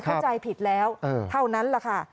เข้าใจผิดแล้วเท่านั้นแหละค่ะ